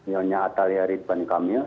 yangnya atalia ridwan kamil